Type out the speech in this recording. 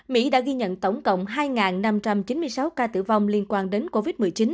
mỹ đã ghi nhận tổng cộng hai năm trăm chín mươi sáu ca tử vong liên quan đến covid một mươi chín